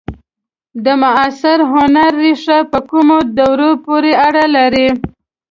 د معاصر هنر ریښې په کومو دورو پورې اړه لري؟